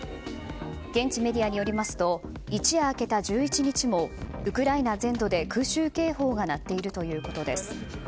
現地メディアによりますと一夜明けた１１日にもウクライナ全土で空襲警報が鳴っているということです。